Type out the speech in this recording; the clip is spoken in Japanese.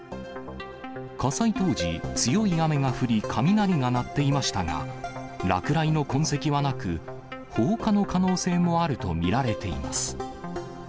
火災当時、強い雨が降り、雷が鳴っていましたが、落雷の痕跡はなく、放火の可能性もあると見られています。